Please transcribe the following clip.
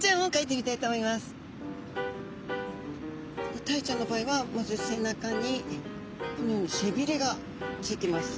ではタイちゃんの場合はまず背中にこのように背びれがついてます。